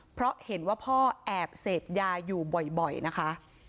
เพราะเห็นว่าพ่อแอบเสพยาอยู่บ่อยนะคะ